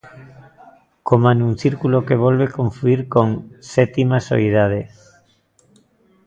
Coma nun círculo que volve confluír con 'Sétima soidade'.